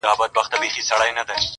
• زما دي په یاد وي ستا دي هېر وي ګلي -